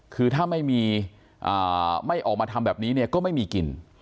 คือถ้าไม่มีไม่ออกมาทำแบบนี้เนี่ยก็ไม่มีกิน